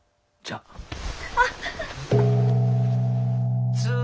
あっ！